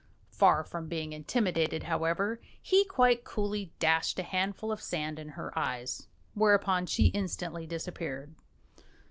Far from being intimidated, however, he quite coolly dashed a handful of sand in her eyes, whereupon she instantly disappeared.